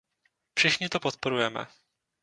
Všichni to podporujeme.